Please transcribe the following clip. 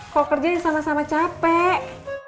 kalau kerjanya sama sama capek